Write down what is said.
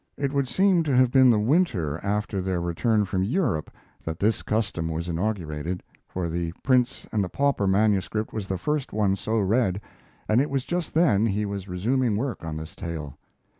It would seem to have been the winter after their return from Europe that this custom was inaugurated, for 'The Prince and the Pauper' manuscript was the first one so read, and it was just then he was resuming work on this tale.